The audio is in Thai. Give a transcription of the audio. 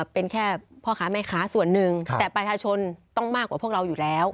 เป็นแค่พ่อค้าแม่ค้าส่วนหนึ่งแต่ประชาชนต้องมากกว่าพวกเราอยู่แล้ว